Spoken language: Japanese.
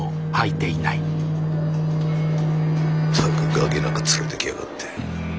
ったくガキなんか連れてきやがって。